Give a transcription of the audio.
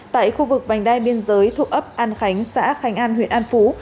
tại khu vực vành đai biên giới thuộc ấp an khánh xã khánh an huyện an phú